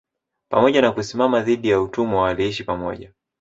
Pamoja na kusimama dhidi ya utumwa waliishi pamoja